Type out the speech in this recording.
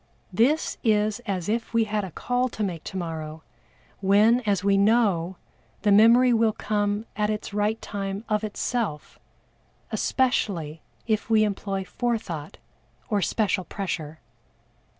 This is as if we had a call to make tomorrow, when, as we know, the memory will come at its right time of itself, especially if we employ Forethought or special pressure.